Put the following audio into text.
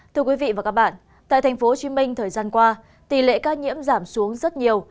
thưa quý vị và các bạn tại tp hcm thời gian qua tỷ lệ ca nhiễm giảm xuống rất nhiều